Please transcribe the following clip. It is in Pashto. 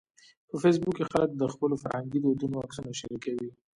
په فېسبوک کې خلک د خپلو فرهنګي دودونو عکسونه شریکوي